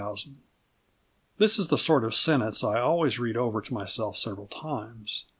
This is the sort of sentence I always read over to myself several times.